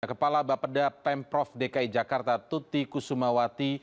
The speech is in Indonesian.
kepala bapeda pemprov dki jakarta tuti kusumawati